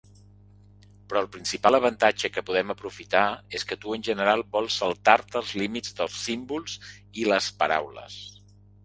Però el principal avantatge que podem aprofitar és que tu en general vols saltar-te els límits dels símbols i les paraules.